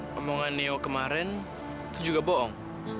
omongan neo kemarin itu juga bohong